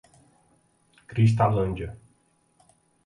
Cristalândia